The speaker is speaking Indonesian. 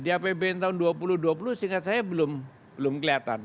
di apbn tahun dua ribu dua puluh seingat saya belum kelihatan